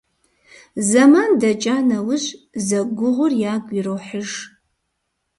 Зэман дэкӀа нэужь, зэгугъур ягу ирохьыж.